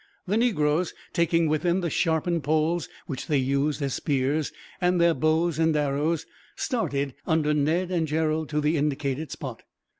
The negroes, taking with them the sharpened poles which they used as spears, and their bows and arrows, started, under Ned and Gerald, to the indicated spot.